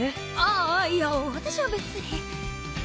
あっいや私は別に。